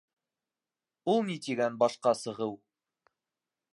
Ул ни тигән башҡа сығыу?